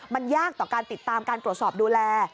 มันยากกับติดตามการกรสอบดูแล